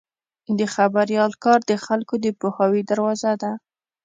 د خبریال کار د خلکو د پوهاوي دروازه ده.